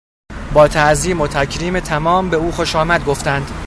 با تعظیم و تکریم تمام به او خوشامد گفتند.